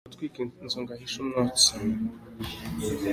Ntawe utwika inzu ngo ahishe umwotsi.